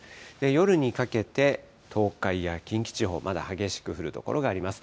夜にかけて、東海や近畿地方、まだ激しく降る所があります。